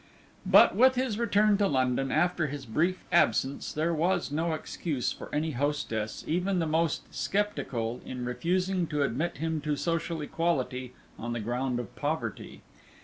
But with his return to London, after his brief absence, there was no excuse for any hostess, even the most sceptical, in refusing to admit him to social equality on the ground of poverty.